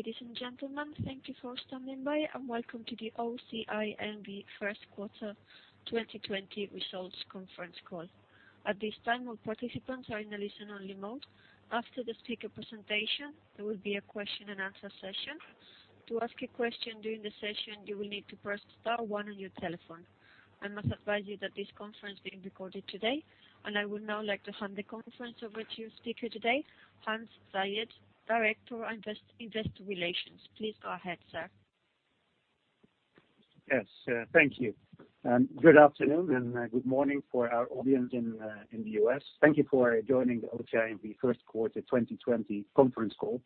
Ladies and gentlemen, thank you for standing by, and welcome to the OCI N.V. first quarter 2020 results conference call. At this time, all participants are in a listen-only mode. After the speaker presentation, there will be a question and answer session. To ask a question during the session, you will need to press star one on your telephone. I must advise you that this conference is being recorded today, and I would now like to hand the conference over to your speaker today, Hans Zayed, Director of Investor Relations. Please go ahead, sir. Yes. Thank you. Good afternoon, and good morning for our audience in the U.S. Thank you for joining the OCI N.V. first quarter 2020 conference call.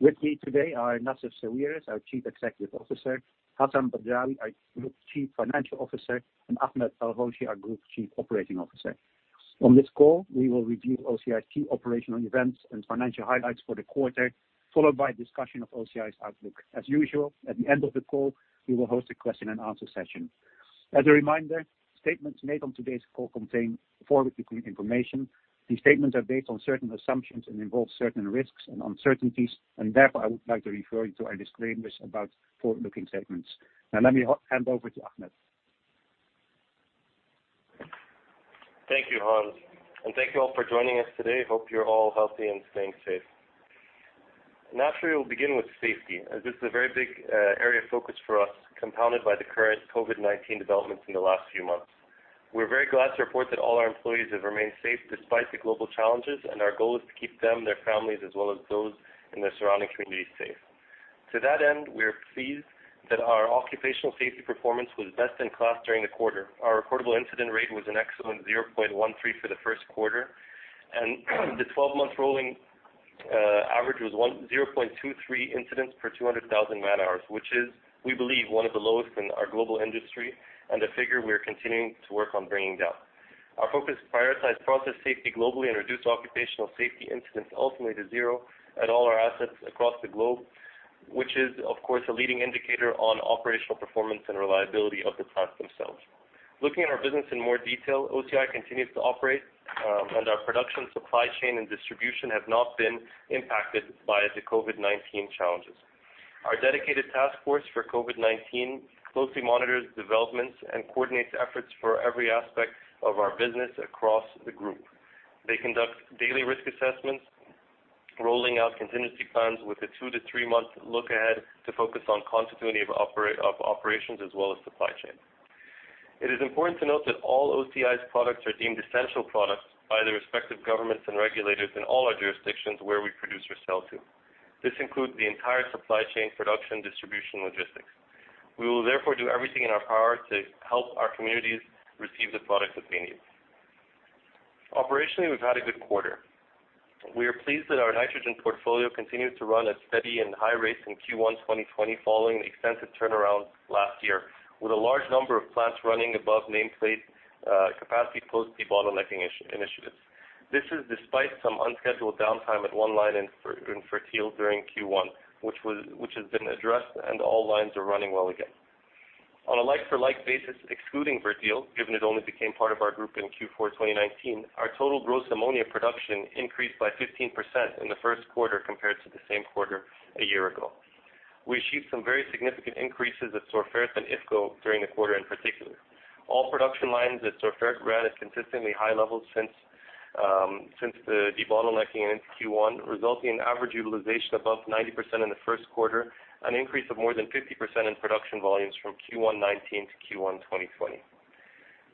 With me today are Nassef Sawiris, our Chief Executive Officer, Hassan Badrawi, our Group Chief Financial Officer, and Ahmed El-Hoshy, our Group Chief Operating Officer. On this call, we will review OCI's key operational events and financial highlights for the quarter, followed by a discussion of OCI's outlook. As usual, at the end of the call, we will host a question and answer session. As a reminder, statements made on today's call contain forward-looking information. These statements are based on certain assumptions and involve certain risks and uncertainties, and therefore, I would like to refer you to our disclaimers about forward-looking statements. Now, let me hand over to Ahmed. Thank you, Hans, and thank you all for joining us today. Hope you're all healthy and staying safe. Naturally, we'll begin with safety, as this is a very big area of focus for us, compounded by the current COVID-19 developments in the last few months. We're very glad to report that all our employees have remained safe despite the global challenges, and our goal is to keep them, their families, as well as those in their surrounding communities safe. To that end, we are pleased that our occupational safety performance was best in class during the quarter. Our reportable incident rate was an excellent 0.13 for the first quarter, and the 12-month rolling average was 0.23 incidents per 200,000 man-hours, which is, we believe, one of the lowest in our global industry and a figure we are continuing to work on bringing down. Our focus is to prioritize process safety globally and reduce occupational safety incidents ultimately to zero at all our assets across the globe, which is, of course, a leading indicator on operational performance and reliability of the plants themselves. Looking at our business in more detail, OCI continues to operate, our production supply chain and distribution have not been impacted by the COVID-19 challenges. Our dedicated task force for COVID-19 closely monitors developments and coordinates efforts for every aspect of our business across the group. They conduct daily risk assessments, rolling out contingency plans with a two to three-month look ahead to focus on continuity of operations as well as supply chain. It is important to note that all OCI's products are deemed essential products by the respective governments and regulators in all our jurisdictions where we produce or sell to. This includes the entire supply chain production distribution logistics. We will therefore do everything in our power to help our communities receive the products that they need. Operationally, we've had a good quarter. We are pleased that our nitrogen portfolio continued to run at steady and high rates in Q1 2020 following the extensive turnaround last year, with a large number of plants running above nameplate capacity post debottlenecking initiatives. This is despite some unscheduled downtime at one line in FERTIL during Q1, which has been addressed, and all lines are running well again. On a like-for-like basis, excluding FERTIL, given it only became part of our group in Q4 2019, our total gross ammonia production increased by 15% in the first quarter compared to the same quarter a year ago. We achieved some very significant increases at Sorfert and IFCo during the quarter in particular. All production lines at Sorfert ran at consistently high levels since the debottlenecking in Q1, resulting in average utilization above 90% in the first quarter, an increase of more than 50% in production volumes from Q1 2019 to Q1 2020.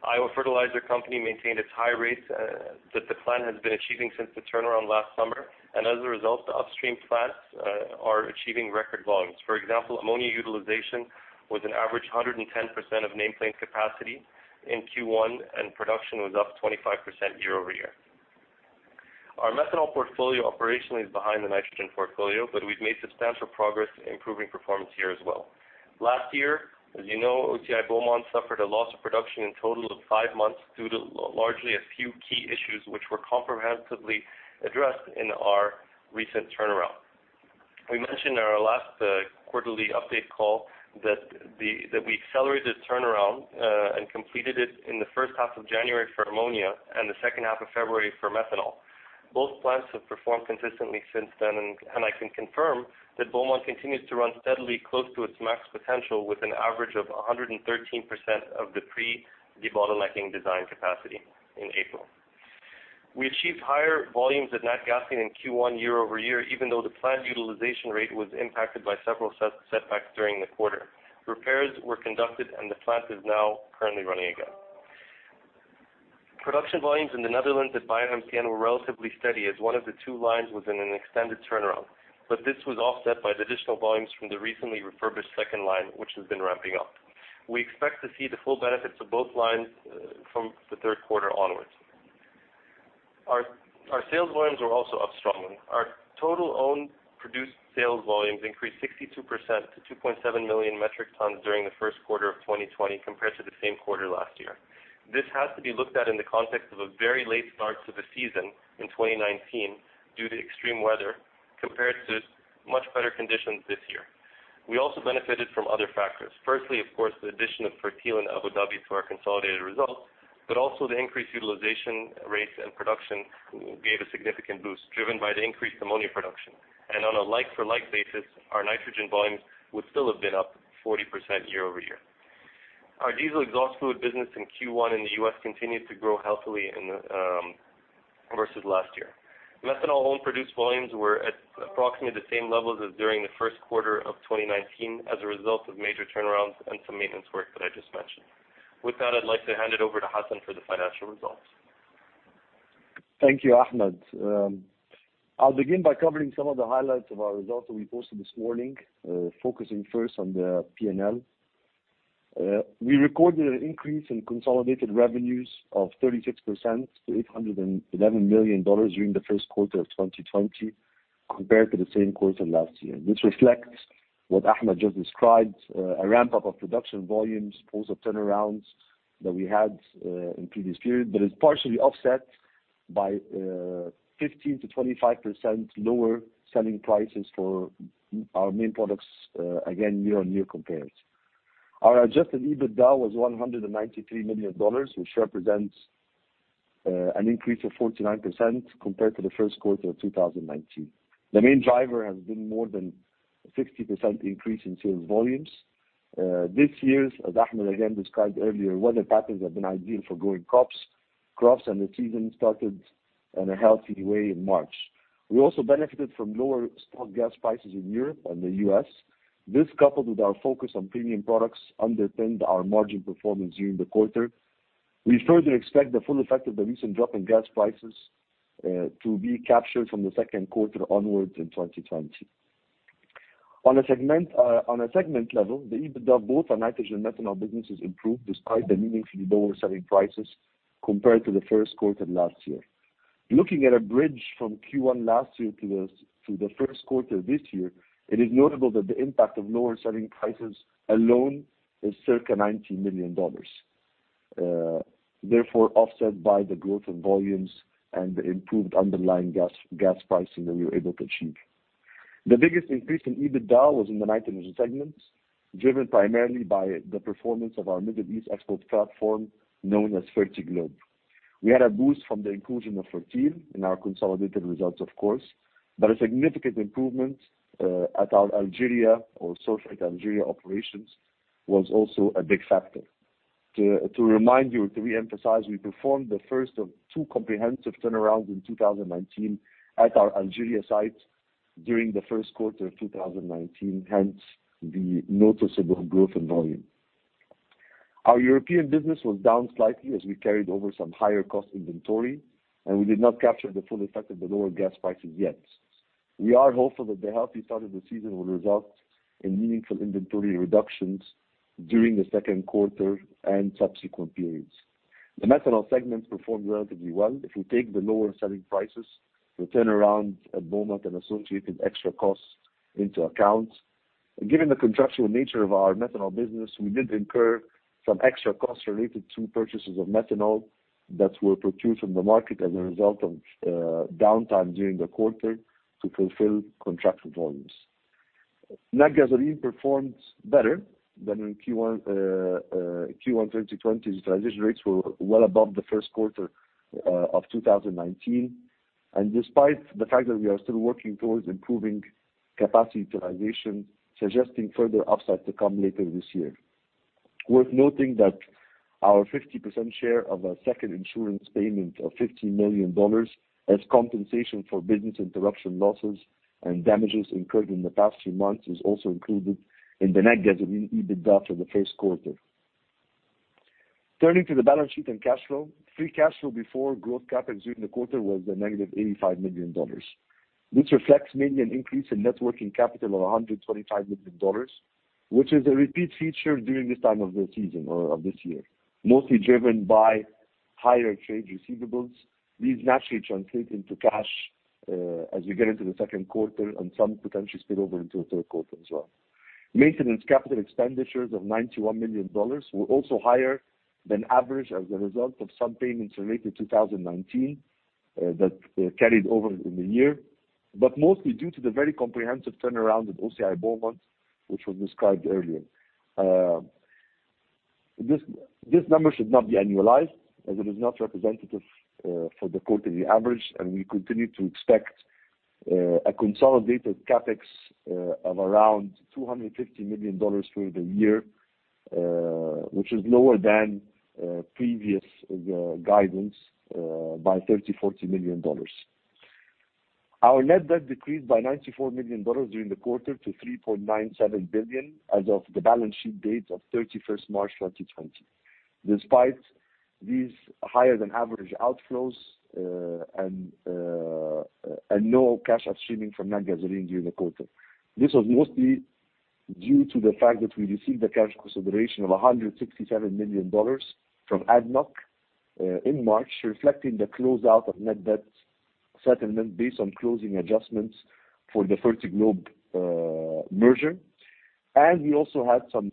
Iowa Fertilizer Company maintained its high rates that the plant has been achieving since the turnaround last summer. As a result, the upstream plants are achieving record volumes. For example, ammonia utilization was an average 110% of nameplate capacity in Q1. Production was up 25% year-over-year. Our methanol portfolio operationally is behind the nitrogen portfolio. We've made substantial progress in improving performance here as well. Last year, as you know, OCI Beaumont suffered a loss of production in total of five months due to largely a few key issues which were comprehensively addressed in our recent turnaround. We mentioned in our last quarterly update call that we accelerated the turnaround, and completed it in the first half of January for ammonia and the second half of February for methanol. Both plants have performed consistently since then, and I can confirm that OCI Beaumont continues to run steadily close to its max potential with an average of 113% of the pre-debottlenecking design capacity in April. We achieved higher volumes at Natgasoline in Q1 year-over-year, even though the plant utilization rate was impacted by several setbacks during the quarter. Repairs were conducted, the plant is now currently running again. Production volumes in the Netherlands at BioMCN were relatively steady as one of the two lines was in an extended turnaround, but this was offset by the additional volumes from the recently refurbished second line, which has been ramping up. We expect to see the full benefits of both lines from the third quarter onwards. Our sales volumes were also up strongly. Our total owned produced sales volumes increased 62% to 2.7 million metric tons during the first quarter of 2020 compared to the same quarter last year. This has to be looked at in the context of a very late start to the season in 2019 due to extreme weather compared to much better conditions this year. We also benefited from other factors. Firstly, of course, the addition of FERTIL and Abu Dhabi to our consolidated results, but also the increased utilization rates and production gave a significant boost, driven by the increased ammonia production. On a like-for-like basis, our nitrogen volumes would still have been up 40% year-over-year. Our diesel exhaust fluid business in Q1 in the U.S. continued to grow healthily versus last year. Methanol owned produced volumes were at approximately the same levels as during the first quarter of 2019 as a result of major turnarounds and some maintenance work that I just mentioned. With that, I'd like to hand it over to Hassan for the financial results. Thank you, Ahmed. I'll begin by covering some of the highlights of our results that we posted this morning, focusing first on the P&L. We recorded an increase in consolidated revenues of 36% to $811 million during the first quarter of 2020 compared to the same quarter last year. This reflects what Ahmed just described, a ramp-up of production volumes, post of turnarounds that we had in previous period, but it's partially offset by 15%-25% lower selling prices for our main products again, year-on-year compared. Our adjusted EBITDA was $193 million, which represents an increase of 49% compared to the first quarter of 2019. The main driver has been more than 60% increase in sales volumes. This year, as Ahmed again described earlier, weather patterns have been ideal for growing crops, and the season started in a healthy way in March. We also benefited from lower spot gas prices in Europe and the U.S. This, coupled with our focus on premium products, underpinned our margin performance during the quarter. We further expect the full effect of the recent drop in gas prices to be captured from the second quarter onwards in 2020. On a segment level, the EBITDA both on nitrogen methanol businesses improved despite the meaningfully lower selling prices compared to the first quarter of last year. Looking at a bridge from Q1 last year to the first quarter this year, it is notable that the impact of lower selling prices alone is circa $90 million. Therefore, offset by the growth in volumes and the improved underlying gas pricing that we were able to achieve. The biggest increase in EBITDA was in the nitrogen segments, driven primarily by the performance of our Middle East export platform, known as Fertiglobe. We had a boost from the inclusion of FERTIL in our consolidated results, of course, but a significant improvement at our Algeria or Sorfert Algeria operations was also a big factor. To remind you, to re-emphasize, we performed the first of two comprehensive turnarounds in 2019 at our Algeria site during the first quarter of 2019, hence the noticeable growth in volume. Our European business was down slightly as we carried over some higher-cost inventory, we did not capture the full effect of the lower gas prices yet. We are hopeful that the healthy start of the season will result in meaningful inventory reductions during the second quarter and subsequent periods. The methanol segments performed relatively well if we take the lower selling prices, the turnaround at OCI Beaumont, and associated extra costs into account. Given the contractual nature of our methanol business, we did incur some extra costs related to purchases of methanol that were procured from the market as a result of downtime during the quarter to fulfill contracted volumes. Natgasoline performed better than in Q1. Q1 2020 utilization rates were well above the first quarter of 2019, and despite the fact that we are still working towards improving capacity utilization, suggesting further upside to come later this year. Worth noting that our 50% share of a second insurance payment of $50 million as compensation for business interruption losses and damages incurred in the past few months is also included in the Natgasoline EBITDA for the first quarter. Turning to the balance sheet and cash flow, free cash flow before growth CapEx during the quarter was a -$85 million. This reflects mainly an increase in net working capital of $125 million, which is a repeat feature during this time of the season or of this year, mostly driven by higher trade receivables. These naturally translate into cash as we get into the second quarter and some potentially spill over into the third quarter as well. Maintenance capital expenditures of $91 million were also higher than average as a result of some payments related to 2019 that carried over in the year, but mostly due to the very comprehensive turnaround at OCI Beaumont, which was described earlier. This number should not be annualized as it is not representative for the quarterly average, and we continue to expect a consolidated CapEx of around $250 million for the year, which is lower than previous guidance by $30 million-$40 million. Our net debt decreased by $94 million during the quarter to $3.97 billion as of the balance sheet date of 31st March 2020. Despite these higher than average outflows and no cash streaming from Natgasoline during the quarter. This was mostly due to the fact that we received a cash consideration of $167 million from ADNOC in March, reflecting the closeout of net debt settlement based on closing adjustments for the Fertiglobe merger. We also had some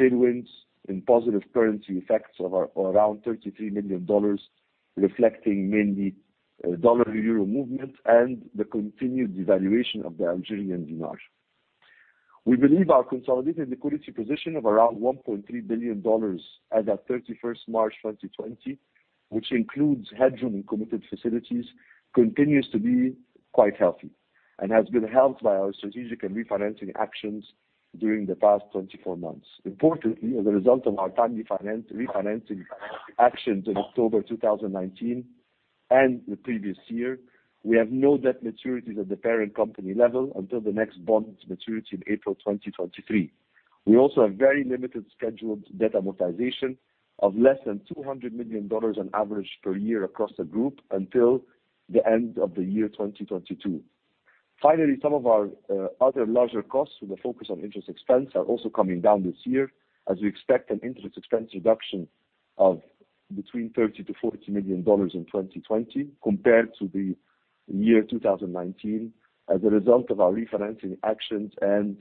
Tailwinds in positive currency effects of around $33 million, reflecting mainly dollar-EUR movement and the continued devaluation of the DZD. We believe our consolidated liquidity position of around $1.3 billion as at 31st March 2020, which includes headroom in committed facilities, continues to be quite healthy and has been helped by our strategic and refinancing actions during the past 24 months. Importantly, as a result of our timely refinancing actions in October 2019 and the previous year, we have no debt maturities at the parent company level until the next bond maturity in April 2023. We also have very limited scheduled debt amortization of less than $200 million on average per year across the group until the end of 2022. Finally, some of our other larger costs, with a focus on interest expense, are also coming down this year as we expect an interest expense reduction of between $30 million-$40 million in 2020 compared to 2019 as a result of our refinancing actions and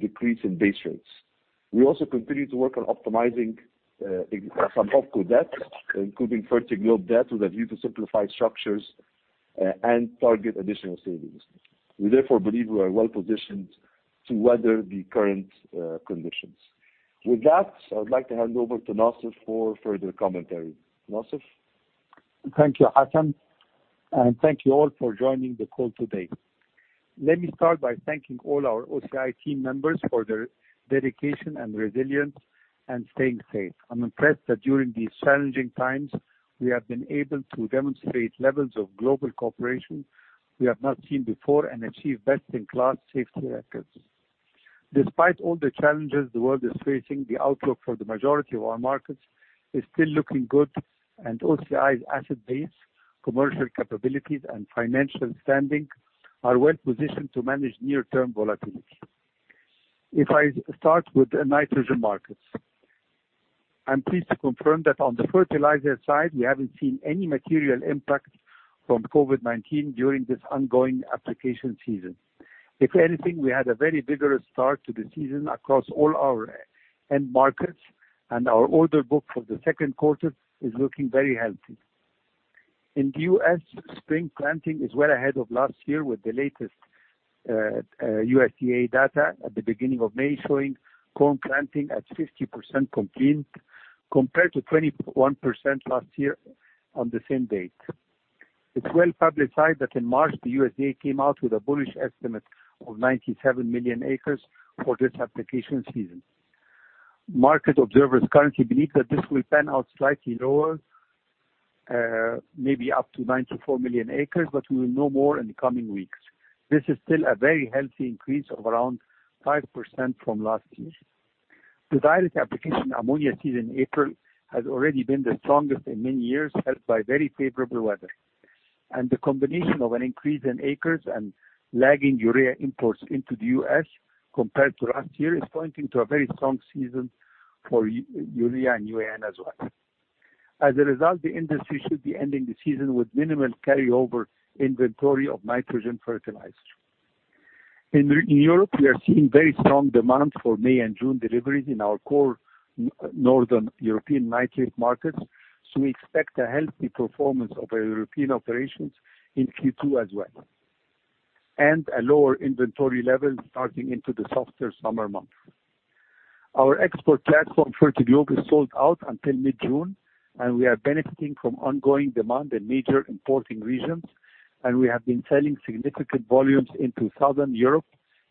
decrease in base rates. We also continue to work on optimizing some holdco debt, including Fertiglobe debt, with a view to simplify structures and target additional savings. We therefore believe we are well positioned to weather the current conditions. With that, I would like to hand over to Nassef for further commentary. Nassef? Thank you, Hassan, and thank you all for joining the call today. Let me start by thanking all our OCI N.V. team members for their dedication and resilience and staying safe. I'm impressed that during these challenging times, we have been able to demonstrate levels of global cooperation we have not seen before and achieve best-in-class safety records. Despite all the challenges the world is facing, the outlook for the majority of our markets is still looking good, and OCI's asset base, commercial capabilities, and financial standing are well positioned to manage near-term volatility. If I start with the nitrogen markets, I'm pleased to confirm that on the fertilizer side, we haven't seen any material impact from COVID-19 during this ongoing application season. If anything, we had a very vigorous start to the season across all our end markets, and our order book for the second quarter is looking very healthy. In the U.S., spring planting is well ahead of last year, with the latest USDA data at the beginning of May showing corn planting at 50% complete compared to 21% last year on the same date. It's well-publicized that in March, the USDA came out with a bullish estimate of 97 million acres for this application season. Market observers currently believe that this will pan out slightly lower, maybe up to 94 million acres, but we will know more in the coming weeks. This is still a very healthy increase of around 5% from last year. The dry application ammonia season in April has already been the strongest in many years, helped by very favorable weather. The combination of an increase in acres and lagging urea imports into the U.S. compared to last year is pointing to a very strong season for urea and UAN as well. As a result, the industry should be ending the season with minimal carryover inventory of nitrogen fertilizer. In Europe, we are seeing very strong demand for May and June deliveries in our core northern European nitrate markets. We expect a healthy performance of our European operations in Q2 as well, and a lower inventory level starting into the softer summer months. Our export platform, Fertiglobe, is sold out until mid-June, and we are benefiting from ongoing demand in major importing regions, and we have been selling significant volumes into Southern Europe,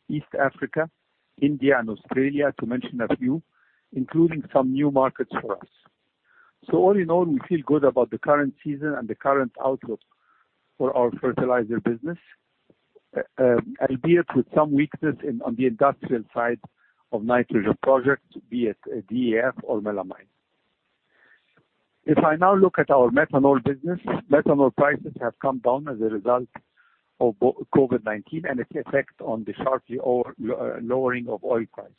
East Africa, India, and Australia, to mention a few, including some new markets for us. All in all, we feel good about the current season and the current outlook for our fertilizer business, albeit with some weakness on the industrial side of nitrogen projects, be it DEF or melamine. If I now look at our methanol business, methanol prices have come down as a result of COVID-19 and its effect on the sharp lowering of oil prices.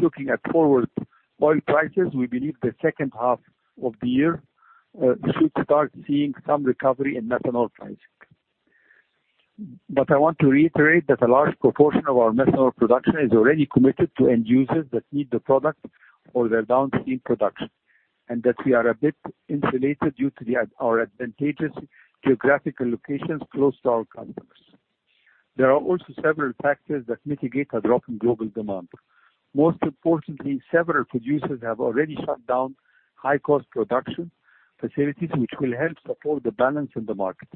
Looking at forward oil prices, we believe the second half of the year should start seeing some recovery in methanol pricing. I want to reiterate that a large proportion of our methanol production is already committed to end users that need the product for their downstream production, and that we are a bit insulated due to our advantageous geographical locations close to our customers. There are also several factors that mitigate a drop in global demand. Most importantly, several producers have already shut down high-cost production facilities, which will help support the balance in the market.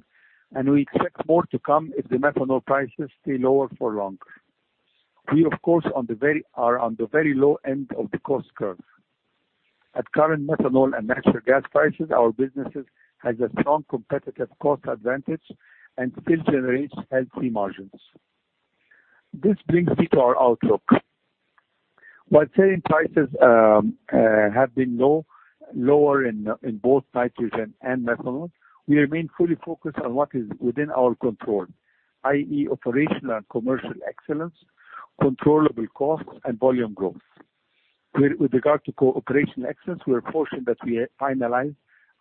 We expect more to come if the methanol prices stay lower for longer. We, of course, are on the very low end of the cost curve. At current methanol and natural gas prices, our businesses have a strong competitive cost advantage and still generates healthy margins. This brings me to our outlook. While selling prices have been lower in both nitrogen and methanol, we remain fully focused on what is within our control, i.e., operational and commercial excellence, controllable costs, and volume growth. With regard to operational excellence, we are fortunate that we finalized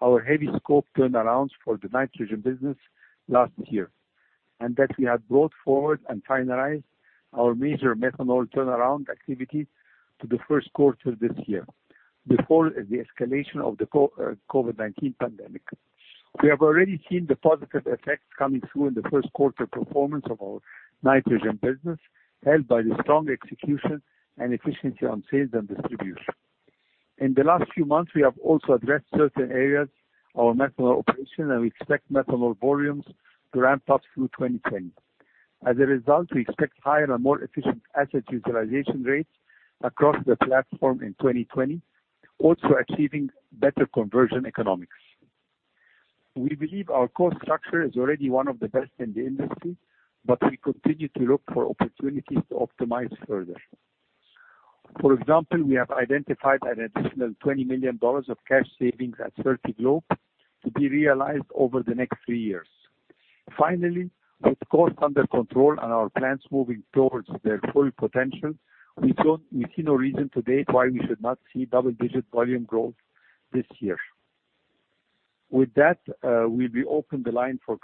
our heavy scope turnarounds for the nitrogen business last year, and that we had brought forward and finalized our major methanol turnaround activity to the first quarter this year, before the escalation of the COVID-19 pandemic. We have already seen the positive effects coming through in the first quarter performance of our nitrogen business, helped by the strong execution and efficiency on sales and distribution. In the last few months, we have also addressed certain areas of our methanol operation, and we expect methanol volumes to ramp up through 2020. As a result, we expect higher and more efficient asset utilization rates across the platform in 2020, also achieving better conversion economics. We believe our cost structure is already one of the best in the industry, but we continue to look for opportunities to optimize further. For example, we have identified an additional $20 million of cash savings at Fertiglobe to be realized over the next three years. Finally, with costs under control and our plants moving towards their full potential, we see no reason to date why we should not see double-digit volume growth this year. With that, we'll be open the line for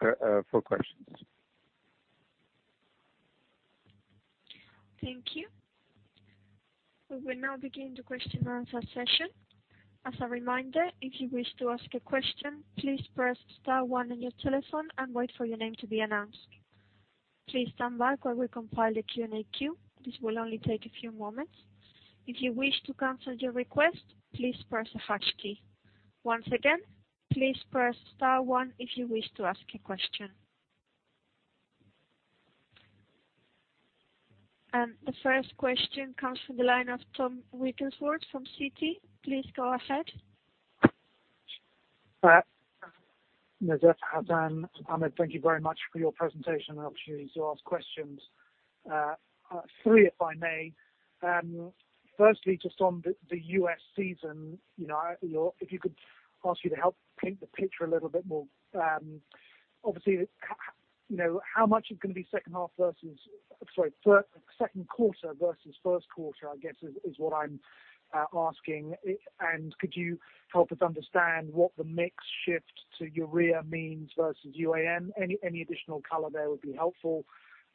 questions. Thank you. We will now begin the question and answer session. As a reminder, if you wish to ask a question, please press star one on your telephone and wait for your name to be announced. Please stand by while we compile the Q&A queue. This will only take a few moments. If you wish to cancel your request, please press the hash key. Once again, please press star one if you wish to ask a question. The first question comes from the line of Tom Wrigglesworth from Citi. Please go ahead. Nassef, Hassan, Ahmed, thank you very much for your presentation and the opportunity to ask questions. Three, if I may. Firstly, just on the U.S. season, if you could, ask you to help paint the picture a little bit more. Obviously, how much is going to be second quarter versus first quarter, I guess, is what I'm asking. Could you help us understand what the mix shift to urea means versus UAN? Any additional color there would be helpful.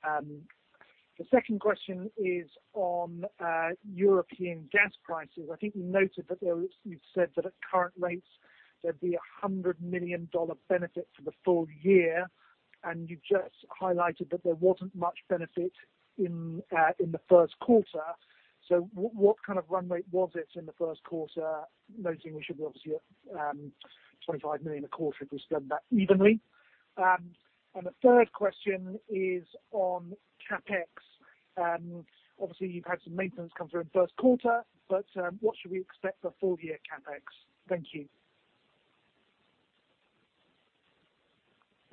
The second question is on European gas prices. I think you noted that You've said that at current rates there'd be $100 million benefit for the full year, you just highlighted that there wasn't much benefit in the first quarter. What kind of run rate was it in the first quarter, noting we should obviously get $25 million a quarter if it's done that evenly? The third question is on CapEx. Obviously, you've had some maintenance come through in the first quarter, but what should we expect for full-year CapEx? Thank you.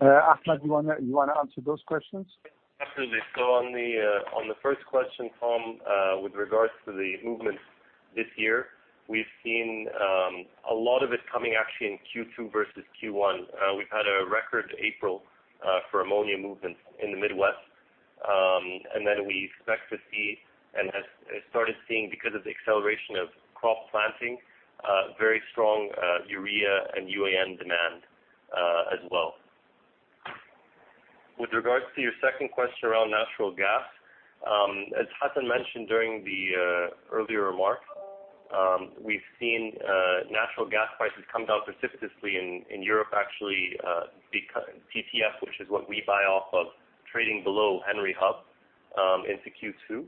Ahmed, you want to answer those questions? Absolutely. On the first question, Tom, with regards to the movements this year, we've seen a lot of it coming actually in Q2 versus Q1. We've had a record April for ammonia movements in the Midwest. We expect to see, and have started seeing because of the acceleration of crop planting, very strong urea and UAN demand as well. With regards to your second question around natural gas, as Hassan Badrawi mentioned during the earlier remarks, we've seen natural gas prices come down precipitously in Europe actually, because TTF, which is what we buy off of, trading below Henry Hub into Q2.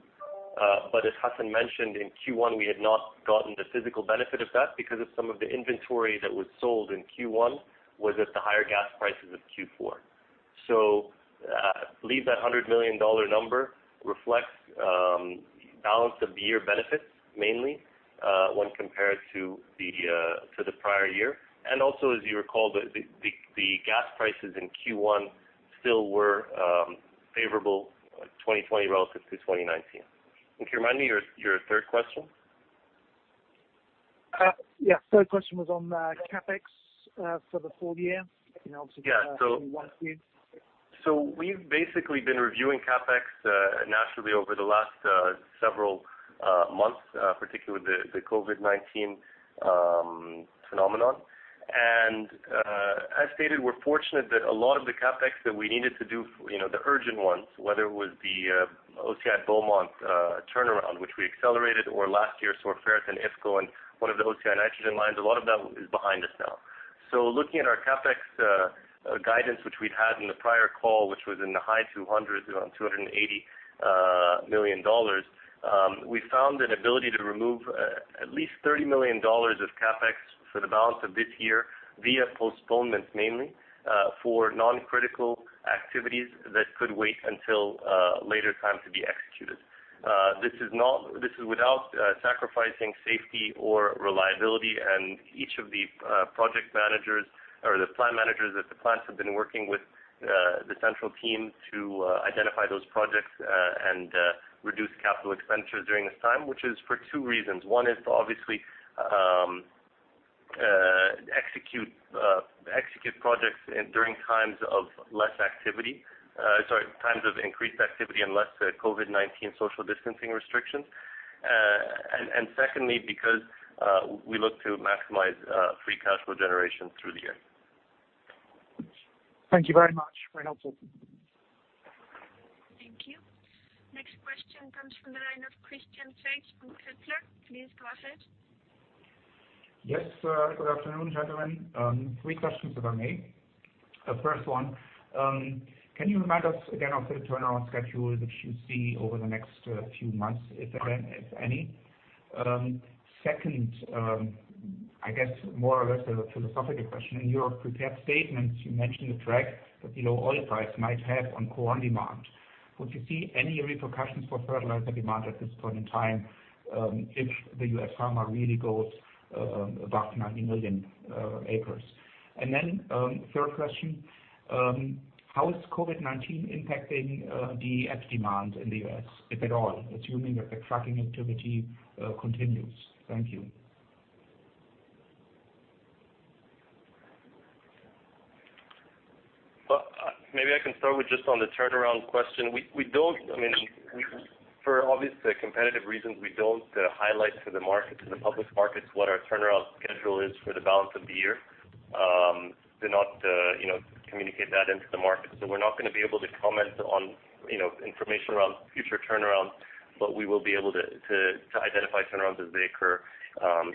As Hassan Badrawi mentioned, in Q1, we had not gotten the physical benefit of that because of some of the inventory that was sold in Q1 was at the higher gas prices of Q4. I believe that $100 million number reflects balance of the year benefits mainly when compared to the prior year. Also, as you recall, the gas prices in Q1 still were favorable 2020 relative to 2019. Can you remind me your third question? Yeah. Third question was on the CapEx for the full year. Yeah. We've basically been reviewing CapEx naturally over the last several months, particularly with the COVID-19 phenomenon. As stated, we're fortunate that a lot of the CapEx that we needed to do, the urgent ones, whether it was the OCI Beaumont turnaround, which we accelerated, or last year, Sorfert and IFCo and one of the OCI Nitrogen lines, a lot of that is behind us now. Looking at our CapEx guidance, which we'd had in the prior call, which was in the high $200 million, around $280 million, we found an ability to remove at least $30 million of CapEx for the balance of this year via postponements mainly, for non-critical activities that could wait until a later time to be executed. This is without sacrificing safety or reliability, each of the project managers or the plant managers at the plants have been working with the central team to identify those projects and reduce capital expenditures during this time, which is for two reasons. One is obviously during times of increased activity and less COVID-19 social distancing restrictions. Secondly, because we look to maximize free cash flow generation through the year. Thank you very much. Very helpful. Thank you. Next question comes from the line of Christian Faitz from Kepler Cheuvreux. Please go ahead. Yes, good afternoon, gentlemen. Three questions if I may. First one, can you remind us again of the turnaround schedules that you see over the next few months, if any? Second, I guess more or less a philosophical question. In your prepared statements, you mentioned the drag that the low oil price might have on corn demand. Would you see any repercussions for fertilizer demand at this point in time if the U.S. farmer really goes above 90 million acres? Third question, how is COVID-19 impacting DEF demand in the U.S., if at all? Assuming that the trucking activity continues. Thank you. Maybe I can start with just on the turnaround question. For obvious competitive reasons, we don't highlight to the public markets what our turnaround schedule is for the balance of the year. Do not communicate that into the market. We're not going to be able to comment on information around future turnarounds, but we will be able to identify turnarounds as they occur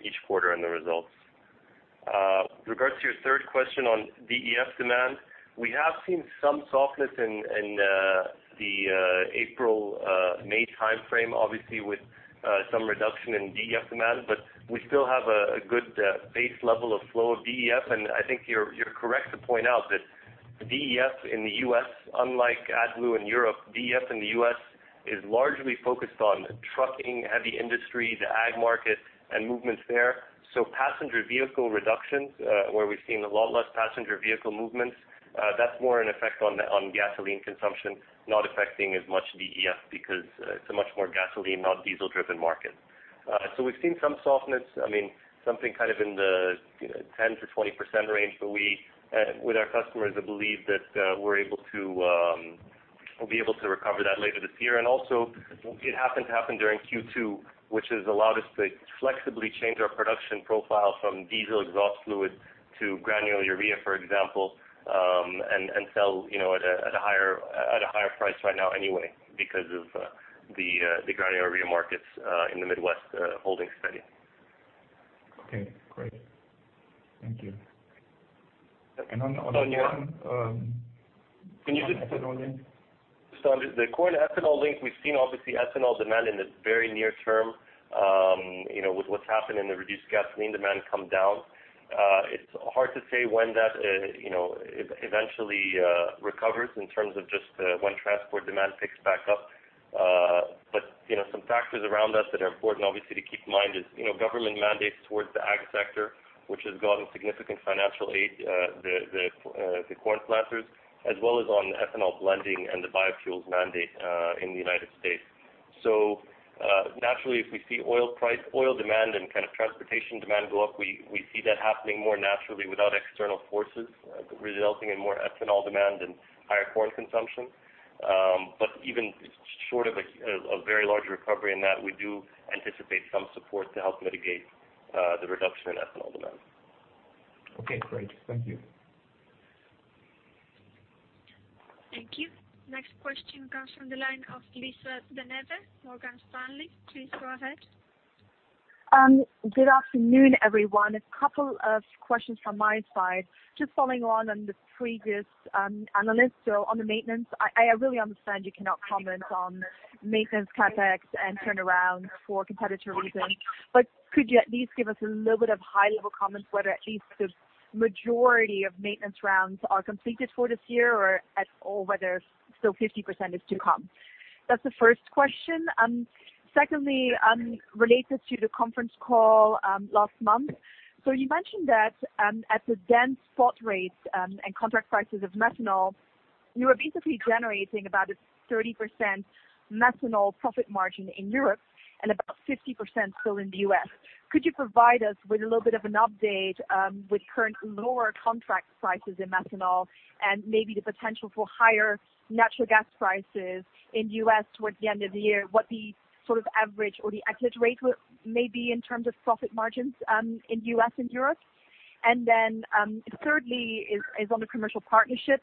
each quarter in the results. With regards to your third question on DEF demand, we have seen some softness in the April, May timeframe, obviously with some reduction in DEF demand, but we still have a good base level of flow of DEF. I think you're correct to point out that DEF in the U.S., unlike AdBlue in Europe, DEF in the U.S. is largely focused on trucking, heavy industry, the ag market, and movements there. Passenger vehicle reductions, where we've seen a lot less passenger vehicle movements, that's more an effect on gasoline consumption, not affecting as much DEF because it's a much more gasoline, not diesel-driven market. We've seen some softness, something in the 10%-20% range, but with our customers, I believe that we'll be able to recover that later this year. Also, it happened to happen during Q2, which has allowed us to flexibly change our production profile from diesel exhaust fluid to granular urea, for example, and sell at a higher price right now anyway because of the granular urea markets in the Midwest holding steady. Okay, great. Thank you. On the other one. Can you just- On ethanol. On the corn ethanol link, we've seen, obviously, ethanol demand in the very near term, with what's happened in the reduced gasoline demand come down. It's hard to say when that eventually recovers in terms of just when transport demand picks back up. Some factors around us that are important obviously to keep in mind is government mandates towards the ag sector, which has gotten significant financial aid, the corn planters, as well as on the ethanol blending and the biofuels mandate in the United States. Naturally, if we see oil demand and transportation demand go up, we see that happening more naturally without external forces resulting in more ethanol demand and higher corn consumption. Even short of a very large recovery in that, we do anticipate some support to help mitigate the reduction in ethanol demand. Okay, great. Thank you. Thank you. Next question comes from the line of Lisa De Neve, Morgan Stanley. Please go ahead. Good afternoon, everyone. A couple of questions from my side. Following on the previous analyst. On the maintenance, I really understand you cannot comment on maintenance CapEx and turnaround for competitive reasons, but could you at least give us a little bit of high-level comments whether at least the majority of maintenance rounds are completed for this year or at all, whether still 50% is to come? That's the first question. Secondly, related to the conference call last month. You mentioned that at the then spot rates and contract prices of methanol, you were basically generating about a 30% methanol profit margin in Europe and about 50% still in the U.S. Could you provide us with a little bit of an update with current lower contract prices in methanol and maybe the potential for higher natural gas prices in U.S. towards the end of the year? What the average or the exit rate may be in terms of profit margins in U.S. and Europe? Then thirdly is on the commercial partnership.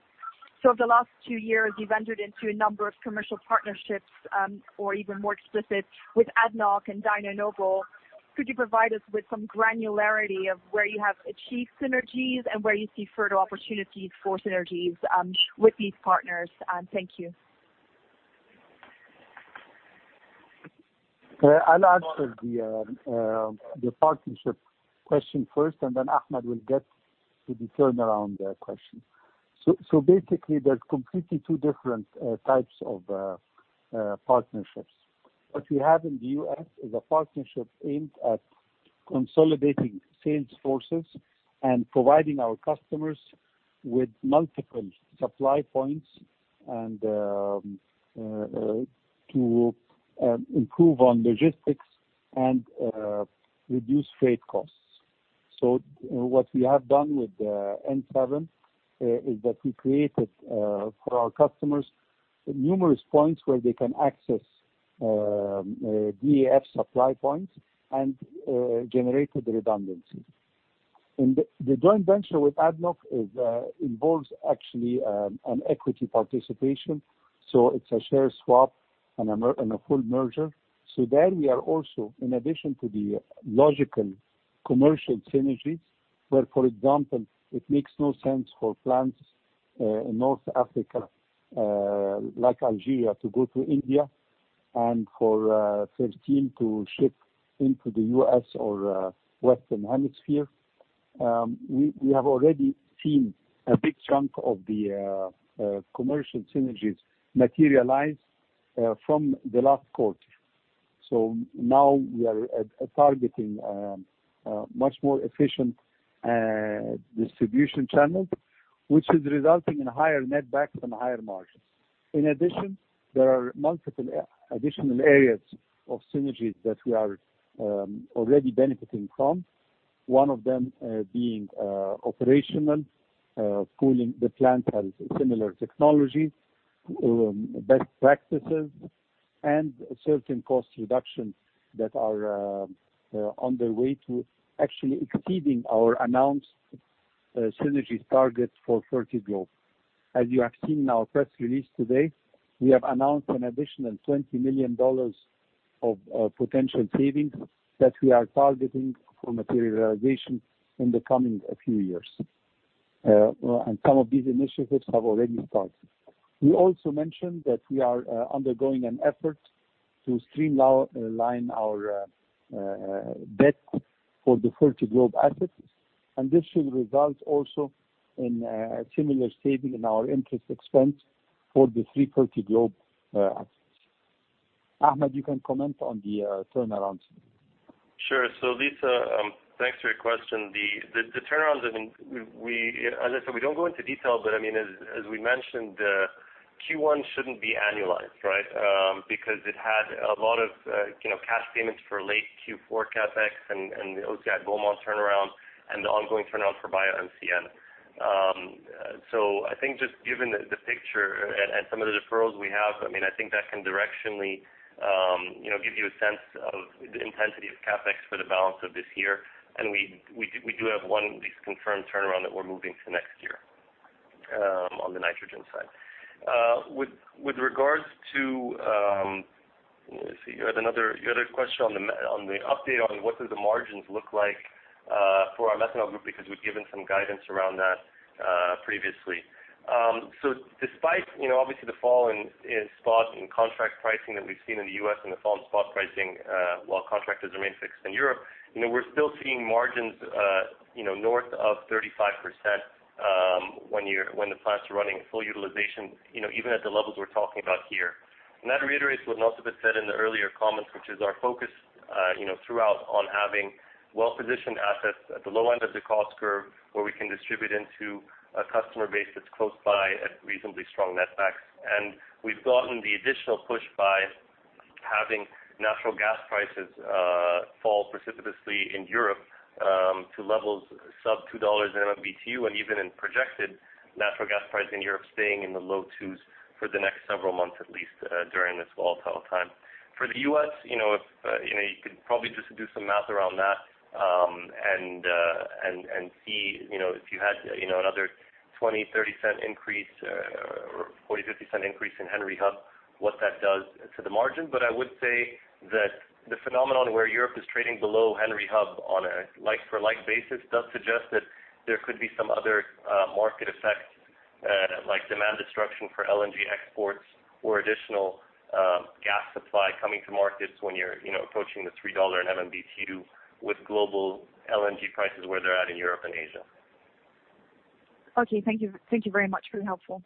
Over the last two years, you've entered into a number of commercial partnerships or even more explicit with ADNOC and Dyno Nobel. Could you provide us with some granularity of where you have achieved synergies and where you see further opportunities for synergies with these partners? Thank you. I'll answer the partnership question first, and then Ahmed will get to the turnaround question. There's completely two different types of partnerships. What we have in the U.S. is a partnership aimed at consolidating sales forces and providing our customers with multiple supply points and to improve on logistics and reduce freight costs. What we have done with N-7 is that we created for our customers numerous points where they can access DEF supply points and generated redundancy. The joint venture with ADNOC involves actually an equity participation. It's a share swap and a full merger. There we are also, in addition to the logical commercial synergies, where, for example, it makes no sense for plants in North Africa, like Algeria, to go to India and for FERTIL to ship into the U.S. or Western Hemisphere. We have already seen a big chunk of the commercial synergies materialize from the last quarter. Now we are targeting much more efficient distribution channels, which is resulting in higher netbacks and higher margins. In addition, there are multiple additional areas of synergies that we are already benefiting from, one of them being operational, pooling the plant has similar technologies, best practices, and certain cost reductions that are on their way to actually exceeding our announced synergies targets for Fertiglobe. As you have seen in our press release today, we have announced an additional $20 million of potential savings that we are targeting for materialization in the coming few years. Some of these initiatives have already started. We also mentioned that we are undergoing an effort to streamline our debt for the Fertiglobe assets. This should result also in a similar saving in our interest expense for the three Fertiglobe assets. Ahmed, you can comment on the turnarounds. Sure. Lisa, thanks for your question. The turnarounds, as I said, we don't go into detail, I mean, as we mentioned, Q1 shouldn't be annualized, because it had a lot of cash payments for late Q4 CapEx and the OCI Beaumont turnaround and the ongoing turnaround for BioMCN. I think just given the picture and some of the deferrals we have, I think that can directionally give you a sense of the intensity of CapEx for the balance of this year. We do have one of these confirmed turnaround that we're moving to next year on the nitrogen side. You had another question on the update on what do the margins look like for our methanol, because we've given some guidance around that previously. Despite obviously the fall in spot and contract pricing that we've seen in the U.S. and the fall in spot pricing, while contractors remain fixed in Europe, we're still seeing margins north of 35% when the plants are running at full utilization, even at the levels we're talking about here. That reiterates what Nassef said in the earlier comments, which is our focus throughout on having well-positioned assets at the low end of the cost curve, where we can distribute into a customer base that's close by at reasonably strong netbacks. We've gotten the additional push by having natural gas prices fall precipitously in Europe to levels sub $2 in MMBtu, and even in projected natural gas prices in Europe staying in the low $2s for the next several months, at least during this volatile time. For the U.S., you could probably just do some math around that and see if you had another $0.20, $0.30 increase or $0.40, $0.50 increase in Henry Hub, what that does to the margin. I would say that the phenomenon where Europe is trading below Henry Hub on a like-for-like basis does suggest that there could be some other market effects, like demand destruction for LNG exports or additional gas supply coming to markets when you're approaching the $3 in MMBtu with global LNG prices where they're at in Europe and Asia. Okay. Thank you very much. Very helpful.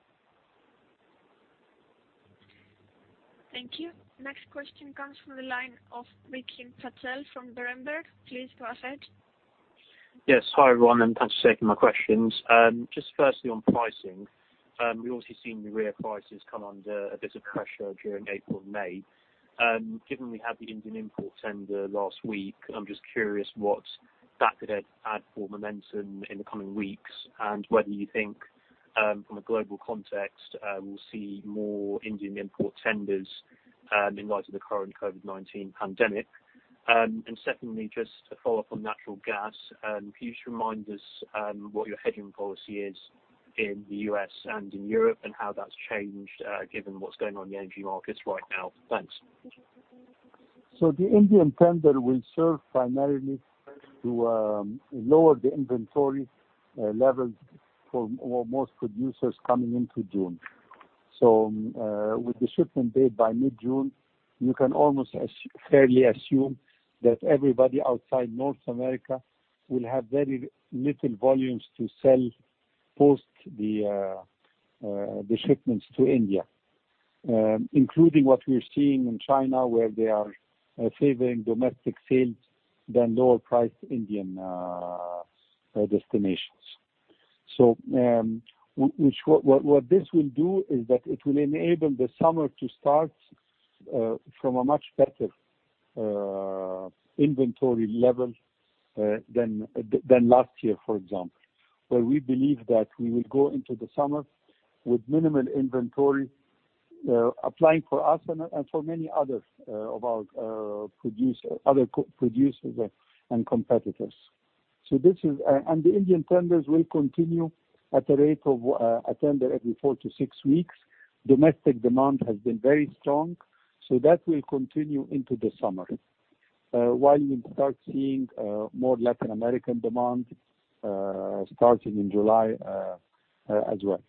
Thank you. Next question comes from the line of Rikin Patel from Berenberg. Please go ahead. Yes. Hi, everyone, and thanks for taking my questions. Just firstly on pricing, we obviously seen urea prices come under a bit of pressure during April and May. Given we had the Indian import tender last week, I'm just curious what that could add for momentum in the coming weeks and whether you think from a global context, we'll see more Indian import tenders in light of the current COVID-19 pandemic. Secondly, just to follow up on natural gas, can you just remind us what your hedging policy is in the U.S. and in Europe and how that's changed given what's going on in the energy markets right now? Thanks. The Indian tender will serve primarily to lower the inventory levels for most producers coming into June. With the shipment date by mid-June, you can almost fairly assume that everybody outside North America will have very little volumes to sell post the shipments to India, including what we're seeing in China, where they are favoring domestic sales than lower priced Indian destinations. What this will do is that it will enable the summer to start from a much better inventory level than last year, for example, where we believe that we will go into the summer with minimal inventory applying for us and for many other producers and competitors. The Indian tenders will continue at a rate of a tender every four to six weeks. Domestic demand has been very strong, so that will continue into the summer, while we start seeing more Latin American demand starting in July as well.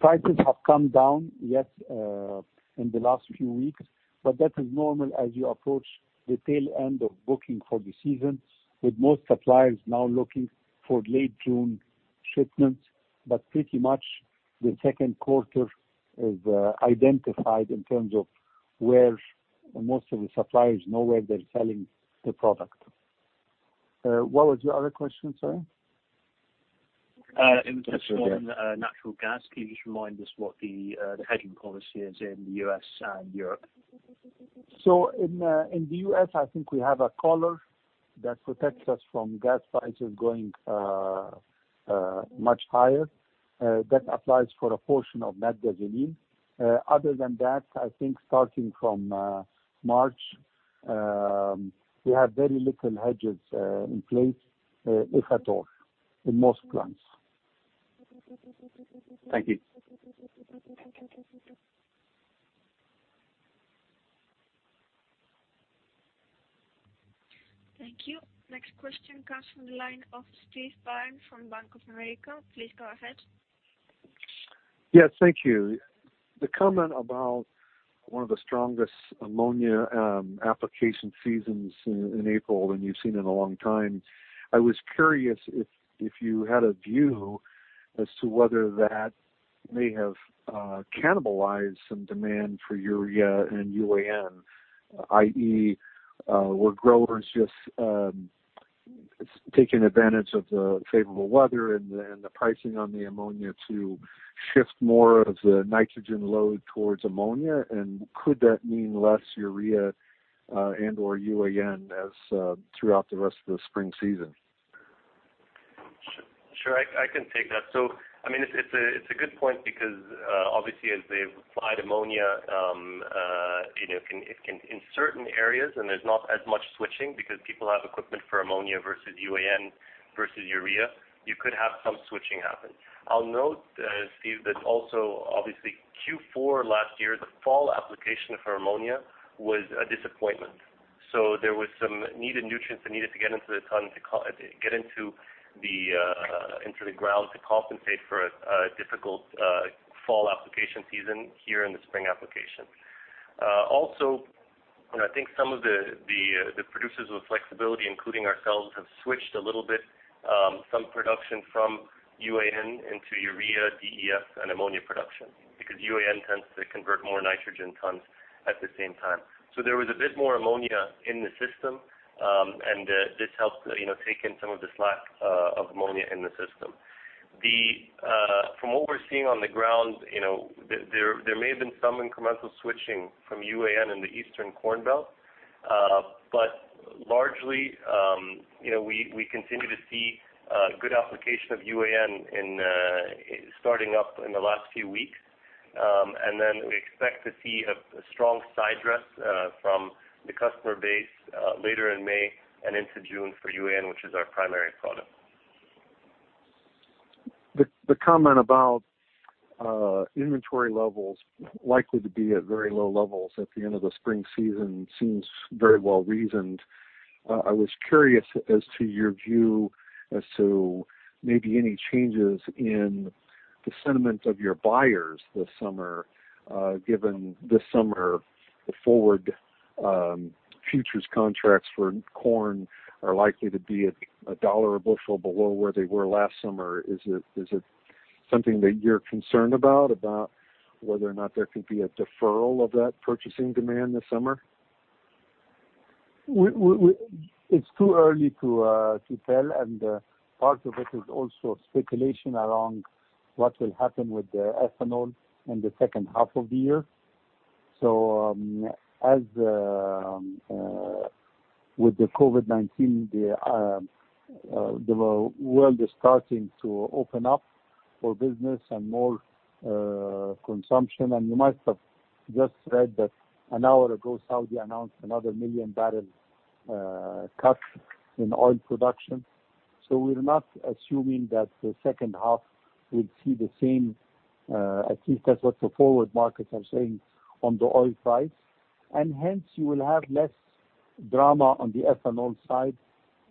Prices have come down, yes, in the last few weeks, but that is normal as you approach the tail end of booking for the season, with most suppliers now looking for late June shipments. Pretty much the second quarter is identified in terms of most of the suppliers know where they're selling the product. What was your other question, sorry? It was just on natural gas. Can you just remind us what the hedging policy is in the U.S. and Europe? In the U.S., I think we have a collar that protects us from gas prices going much higher. That applies for a portion of natural gas. Other than that, I think starting from March, we have very little hedges in place, if at all, in most plants. Thank you. Thank you. Next question comes from the line of Steve Byrne from Bank of America. Please go ahead. Yes, thank you. The comment about one of the strongest ammonia application seasons in April than you've seen in a long time, I was curious if you had a view as to whether that may have cannibalized some demand for urea and UAN, i.e., were growers just taking advantage of the favorable weather and the pricing on the ammonia to shift more of the nitrogen load towards ammonia, and could that mean less urea and/or UAN throughout the rest of the spring season? Sure, I can take that. It's a good point because obviously as they've applied ammonia, in certain areas and there's not as much switching because people have equipment for ammonia versus UAN versus urea, you could have some switching happen. I'll note, Steve, that also obviously Q4 last year, the fall application for ammonia was a disappointment. There was some needed nutrients that needed to get into the ground to compensate for a difficult fall application season here in the spring application. Also, I think some of the producers with flexibility, including ourselves, have switched a little bit some production from UAN into urea, DEF, and ammonia production because UAN tends to convert more nitrogen tons at the same time. There was a bit more ammonia in the system, and this helped take in some of the slack of ammonia in the system. From what we're seeing on the ground, there may have been some incremental switching from UAN in the Eastern Corn Belt. Largely, we continue to see good application of UAN starting up in the last few weeks. We expect to see a strong sidedress from the customer base later in May and into June for UAN, which is our primary product. The comment about inventory levels likely to be at very low levels at the end of the spring season seems very well reasoned. I was curious as to your view as to maybe any changes in the sentiment of your buyers this summer, given this summer the forward futures contracts for corn are likely to be $1 a bushel below where they were last summer. Is it something that you're concerned about whether or not there could be a deferral of that purchasing demand this summer? It's too early to tell, and part of it is also speculation around what will happen with the ethanol in the second half of the year. As with the COVID-19, the world is starting to open up for business and more consumption. You might have just read that an hour ago, Saudi announced a one million barrel cut in oil production. We're not assuming that the second half will see the same, at least that's what the forward markets are saying on the oil price. Hence you will have less drama on the ethanol side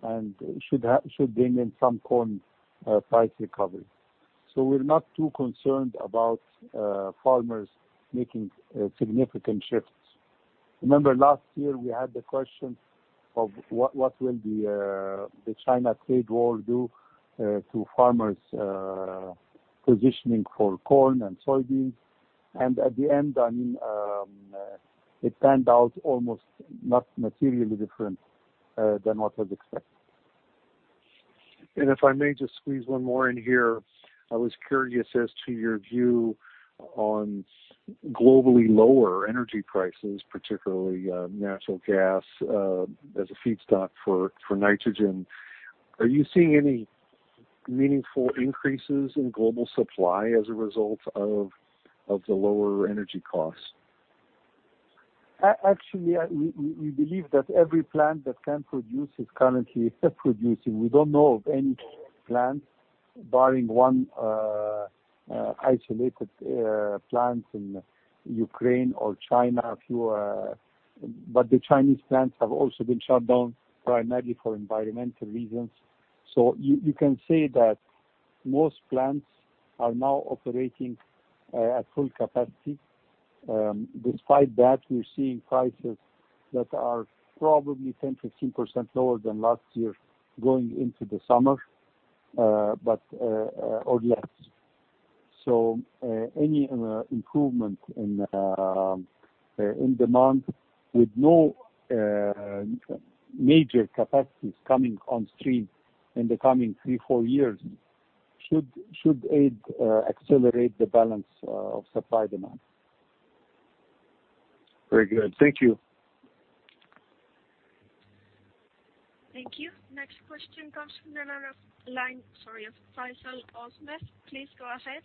and should bring in some corn price recovery. We're not too concerned about farmers making significant shifts. Remember last year we had the question of what will the China trade war do to farmers positioning for corn and soybeans? At the end, it panned out almost not materially different than what was expected. If I may just squeeze one more in here. I was curious as to your view on globally lower energy prices, particularly natural gas, as a feedstock for nitrogen. Are you seeing any meaningful increases in global supply as a result of the lower energy costs? Actually, we believe that every plant that can produce is currently producing. We don't know of any plants barring one isolated plant in Ukraine or China, but the Chinese plants have also been shut down primarily for environmental reasons. You can say that most plants are now operating at full capacity. Despite that, we're seeing prices that are probably 10%, 15% lower than last year going into the summer, or less. Any improvement in demand with no major capacities coming on stream in the coming three, four years should aid accelerate the balance of supply-demand. Very good. Thank you. Thank you. Next question comes from the line of Faisal Al-Azmeh. Please go ahead.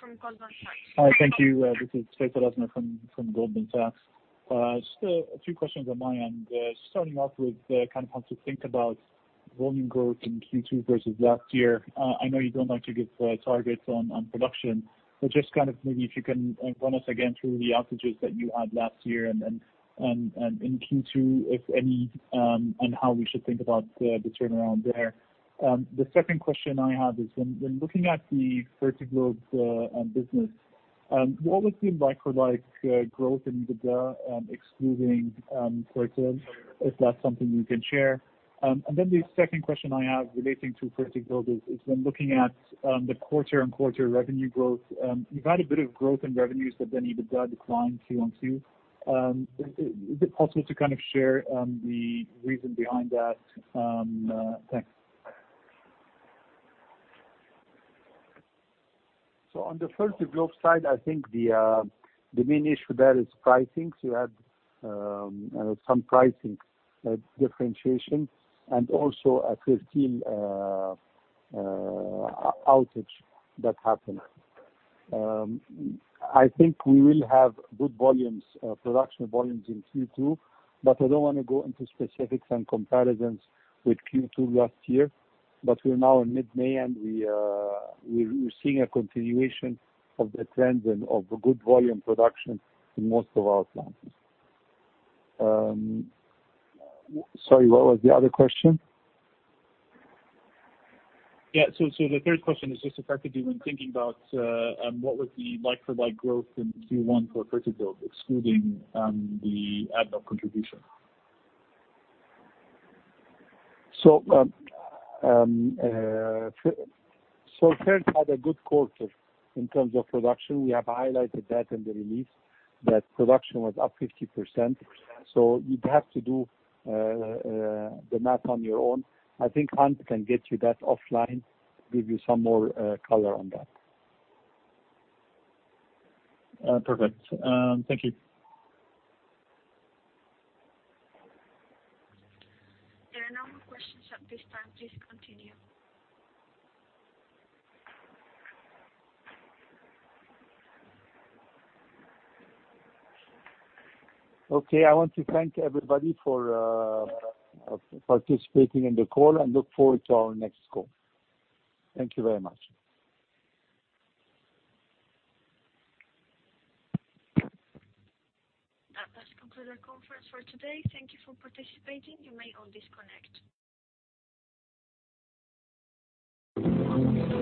From Goldman Sachs. Hi. Thank you. This is Faisal Al-Azmeh from Goldman Sachs. A few questions on my end. Starting off with kind of how to think about volume growth in Q2 versus last year. I know you don't like to give targets on production, but just maybe if you can run us again through the outages that you had last year and in Q2, if any, and how we should think about the turnaround there. The second question I have is when looking at the Fertiglobe business, what was the like-for-like growth in EBITDA excluding FERTIL, if that's something you can share. The second question I have relating to Fertiglobe is when looking at the quarter-on-quarter revenue growth, you've had a bit of growth in revenues, but then EBITDA declined quarter-on-quarter. Is it possible to kind of share the reason behind that? Thanks. On the Fertiglobe side, I think the main issue there is pricing. You had some pricing differentiation and also a FERTIL outage that happened. I think we will have good production volumes in Q2, but I don't want to go into specifics and comparisons with Q2 last year. We're now in mid-May, and we're seeing a continuation of the trends and of the good volume production in most of our plants. Sorry, what was the other question? Yeah. The third question is just effectively when thinking about what was the like-for-like growth in Q1 for Fertiglobe, excluding the ADNOC contribution. FERTIL had a good quarter in terms of production. We have highlighted that in the release that production was up 50%. You'd have to do the math on your own. I think Hans Zayed can get you that offline, give you some more color on that. Perfect. Thank you. There are no more questions at this time. Please continue. Okay. I want to thank everybody for participating in the call and look forward to our next call. Thank you very much. That does conclude our conference for today. Thank you for participating. You may all disconnect.